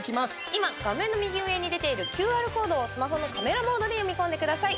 今、画面の右上に出ているＱＲコードをスマホのカメラモードで読み込んでください。